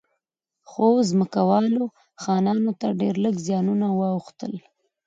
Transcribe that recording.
خو ځمکوالو خانانو ته ډېر لږ زیانونه واوښتل.